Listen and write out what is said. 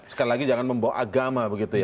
sekali lagi jangan membawa agama begitu ya